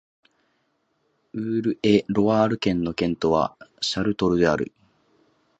ウール＝エ＝ロワール県の県都はシャルトルである